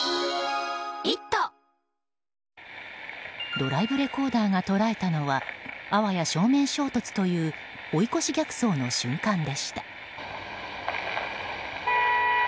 ドライブレコーダーが捉えたのはあわや正面衝突という追い越し逆走の瞬間でした。